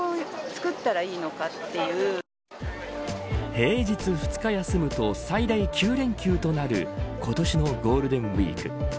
平日２日休むと最大９連休となる今年のゴールデンウイーク。